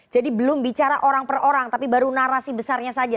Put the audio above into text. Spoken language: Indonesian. jadi belum bicara orang per orang tapi baru narasi besarnya saja